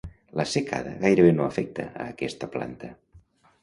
La secada gairebé no afecta a aquesta planta.